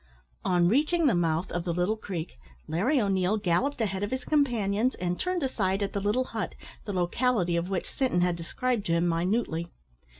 On reaching the mouth of the Little Creek, Larry O'Neil galloped ahead of his companions, and turned aside at the little hut, the locality of which Sinton had described to him minutely.